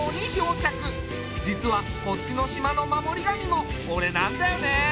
実はこっちの島の守り神も俺なんだよね。